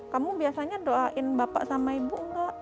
kamu biasanya doain bapak sama ibu gak